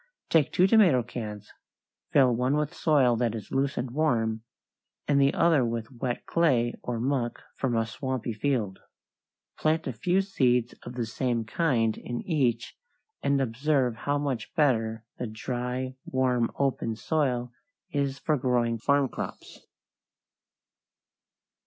= Take two tomato cans; fill one with soil that is loose and warm, and the other with wet clay or muck from a swampy field. Plant a few seeds of the same kind in each and observe how much better the dry, warm, open soil is for growing farm crops.